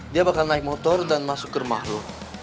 dia bakal naik motor dan masuk ke rumah loh